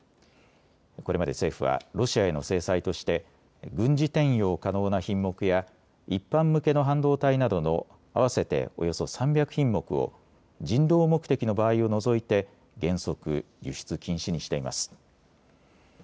これまで政府はロシアへの制裁として軍事転用可能な品目や一般向けの半導体などの合わせておよそ３００品目を人道目的の場合を除いて原則、輸出禁止にしています。